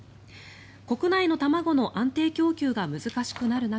国内の卵の安定供給が難しくなる中